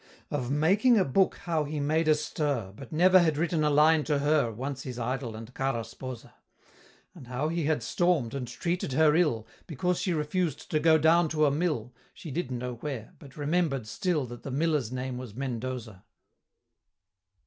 Of "Making a book" how he made a stir, But never had written a line to her, Once his idol and Cara Sposa: And how he had storm'd, and treated her ill, Because she refused to go down to a mill, She didn't know where, but remember'd still That the Miller's name was Mendoza.